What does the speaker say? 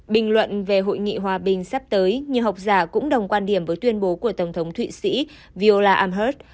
bình luận về hội nghị hòa bình sắp tới nhiều học giả cũng đồng quan điểm với tuyên bố của tổng thống thụy sĩ vola amerd